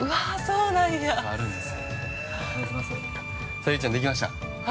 ◆さあユウちゃん、できました。